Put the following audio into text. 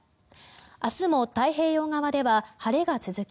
明日も太平洋側では晴れが続き